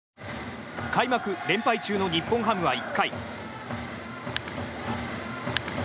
開幕連敗中の日本ハムは１回。